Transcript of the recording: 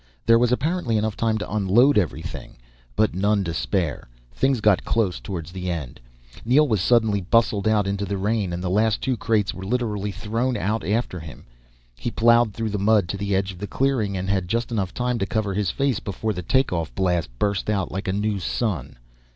There was apparently enough time to unload everything but none to spare. Things got close towards the end. Neel was suddenly bustled out into the rain and the last two crates were literally thrown out after him. He plowed through the mud to the edge of the clearing and had just enough time to cover his face before the take off blast burst out like a new sun.